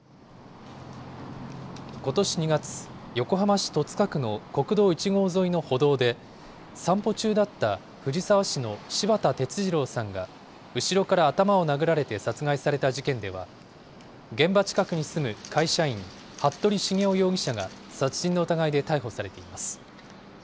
ことし２月、横浜市戸塚区の国道１号沿いの歩道で、散歩中だった藤沢市の柴田哲二郎さんが後ろから頭を殴られて殺害された事件では、現場近くに住む会社員、服部繁雄容疑者が殺人の疑いで逮捕されています。